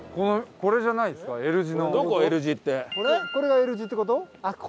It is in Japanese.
これがＬ字って事？